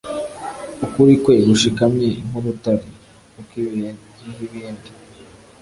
Ukuri kwe gushikamye nk’ urutare, Ukw’ ibihe bih’ ibindi.